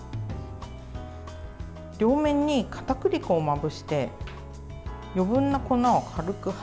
両面に、かたくり粉をまぶして余分な粉を軽くはたきます。